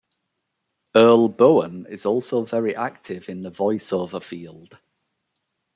Earl Boen is also very active in the voice-over field.